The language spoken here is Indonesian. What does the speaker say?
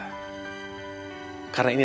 karena ini yang terjadi